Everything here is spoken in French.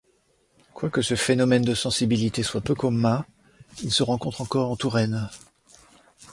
Quoique ce phénomène de sensibilité soit peu commun, il se rencontre encore en Touraine.